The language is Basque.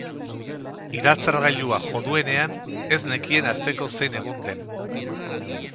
Iratzargailuak jo duenean ez nekien asteko zein egun den.